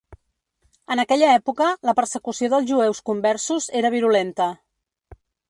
En aquella època, la persecució dels jueus conversos era virulenta.